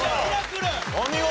お見事！